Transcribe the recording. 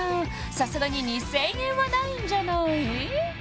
さすがに２０００円はないんじゃない？